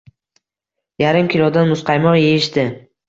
Yarim kilodan muzqaymoq yeyishdi.